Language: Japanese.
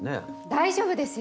大丈夫ですよ。